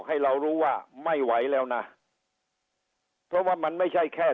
ให้เรารู้ว่าไม่ไหวแล้วนะเพราะว่ามันไม่ใช่แค่